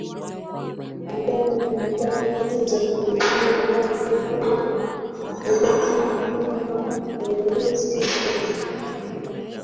madhara ya dawa za kulevya Wao hudhani kwamba hawawezi kupatwa